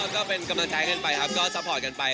ก็เป็นกำลังใจกันไปครับก็ซัพพอร์ตกันไป